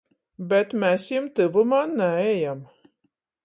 Bet mes jim tyvumā naejam.